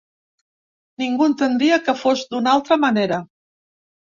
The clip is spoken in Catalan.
Ningú entendria que fos d’una altra manera.